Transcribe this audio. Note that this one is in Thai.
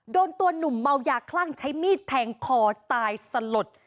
โดนตัวหนุ่มเมายาคลั่งใช้มีดแทงคอตายสลด